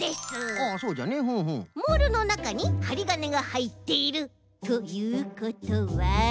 モールのなかにはりがねがはいっているということは。